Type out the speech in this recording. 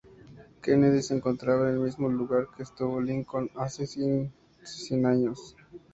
Kennedy se encontraba en el mismo lugar que estuvo Lincoln hace casi cien años.